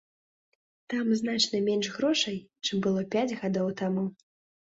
Там значна менш грошай, чым было пяць гадоў таму.